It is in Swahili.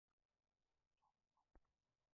maliza hapo ukafanya mazoezi ya tumbo set up kidogo